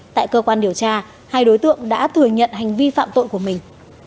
tại cơ quan điều tra hai đối tượng đã thừa nhận hành vi phạm tội của mình